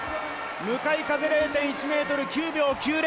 向かい風０．１メートル、９秒９０。